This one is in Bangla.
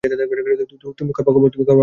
তুমি করবা খবর?